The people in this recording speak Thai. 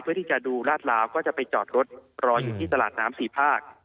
เพื่อที่จะดูลาดลาวก็จะไปจอดรถรออยู่ที่ตลาดน้ำสี่ภาค